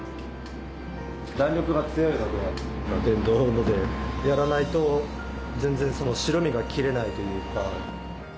弾力が強いので電動のでやらないと全然白身が切れないというか。